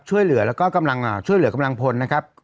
ช่วยเหลือแล้วก็กำลังช่วยเหลือกำลังพลนะครับ